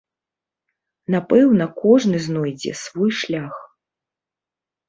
Напэўна, кожны знойдзе свой шлях.